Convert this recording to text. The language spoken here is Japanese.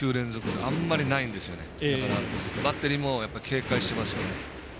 だから、バッテリーも警戒してますよね。